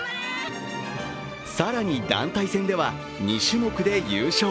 更に団体戦では２種目で優勝。